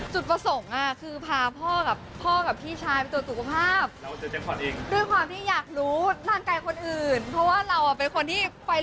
จุดประสงค์คือพาพ่อกับพี่ชายเป็นตัวสุขภาพ